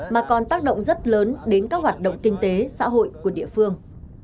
mà còn tác động rất lớn đến các hoạt động kinh tế xã hội của địa phương